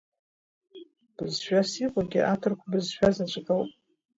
Бызшәас иҟоугьы аҭырқу бызшәа заҵәык ауп!